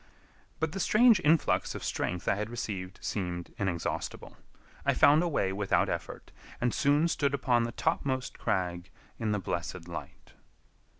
But the strange influx of strength I had received seemed inexhaustible. I found a way without effort, and soon stood upon the topmost crag in the blessed light.